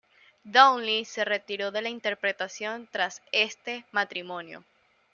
Dowling se retiró de la interpretación tras este matrimonio.